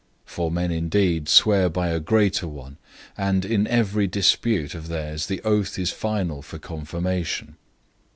006:016 For men indeed swear by a greater one, and in every dispute of theirs the oath is final for confirmation.